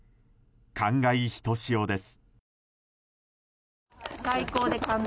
感慨ひとしおです。